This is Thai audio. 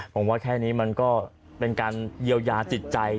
ผมว่าแค่นี้มันก็เป็นการเยียวยาจิตใจ